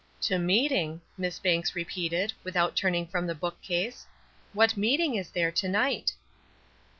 "To meeting," Miss Banks repeated, without turning from the book case. "What meeting is there to night?"